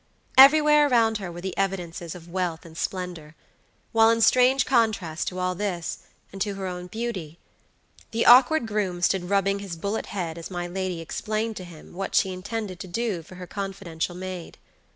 Everywhere around her were the evidences of wealth and splendor; while in strange contrast to all this, and to her own beauty; the awkward groom stood rubbing his bullet head as my lady explained to him what she intended to do for her confidential maid.